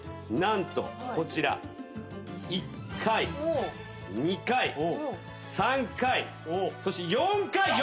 何とこちら１回２回３回そして４回。